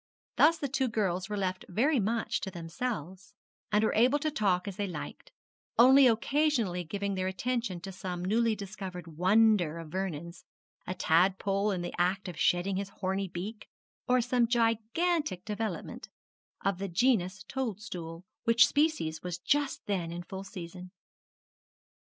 Thus the two girls were left very much to themselves, and were able to talk as they liked, only occasionally giving their attention to some newly discovered wonder of Vernon's, a tadpole in the act of shedding his horny beak, or some gigantic development of the genus toadstool, which species was just then in full season.